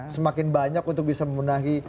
semakin banyak untuk bisa membenahi